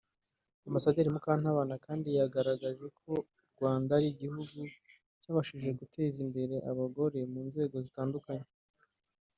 Ambasaderi Mukantabana kandi yagaragaje ko Rwanda ari igihugu cyabashije guteza imbere abagore mu nzego zitandukanye